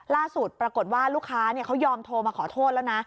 ล่าสุดปรากฏว่าลูกค้าเนี่ยเขายอมโทรมาขอโทษแล้วนะ